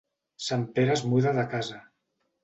Sant Pere es muda de casa.